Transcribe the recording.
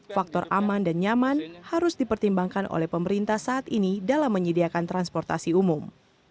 faktor aman dan nyaman harus dipertimbangkan oleh pemerintah saat ini dalam menyediakan transportasi umum